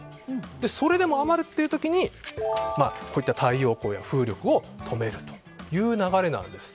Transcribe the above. それでも余るっていう時にこういった太陽光や風力を止めるという流れなんです。